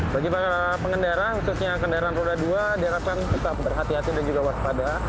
bagi para pengendara khususnya kendaraan roda dua diharapkan tetap berhati hati dan juga waspada